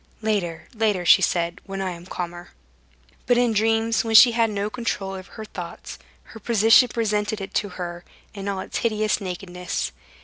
"Later, later," she said—"when I am calmer." But in dreams, when she had no control over her thoughts, her position presented itself to her in all its hideous nakedness.